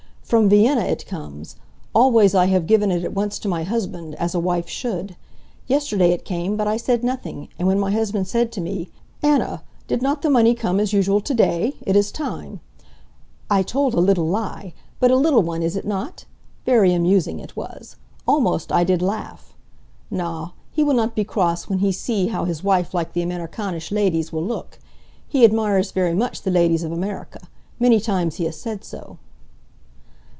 "From Vienna it comes. Always I have given it at once to my husband, as a wife should. Yesterday it came, but I said nothing, and when my husband said to me, 'Anna, did not the money come as usual to day? It is time,' I told a little lie but a little one, is it not? Very amusing it was. Almost I did laugh. Na, he will not be cross when he see how his wife like the Amerikanische ladies will look. He admires very much the ladies of Amerika. Many times he has said so."